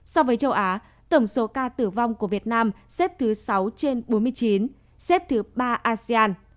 so với châu á tổng số ca tử vong của việt nam xếp thứ sáu trên bốn mươi chín xếp thứ ba asean